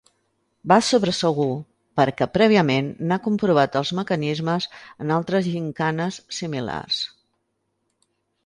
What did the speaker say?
Va sobre segur, perquè prèviament n'ha comprovat els mecanismes en altres gimcanes similars.